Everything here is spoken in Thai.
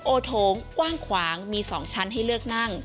โอโถงกว้างขวางมี๒ชั้นให้เลือกนั่ง